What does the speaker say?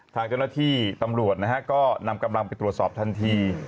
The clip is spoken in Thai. ทางเจ้าหน้าที่ตำรวจนะฮะก็นำกำลังไปตรวจสอบทันที